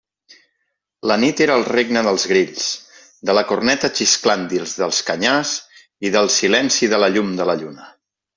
La nit era el regne dels grills, de la corneta xisclant dins dels canyars i del silenci de la llum de la lluna.